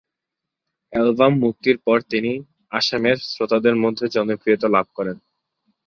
Album মুক্তির পর তিনি আসামের শ্রোতাদের মধ্যে জনপ্রিয়তা লাভ করেন।